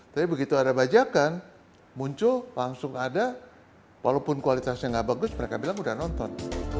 tapi begitu ada bajakan muncul langsung ada walaupun kualitasnya nggak bagus mereka bilang udah nonton